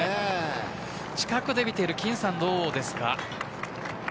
近くで見ている金さんどうですか。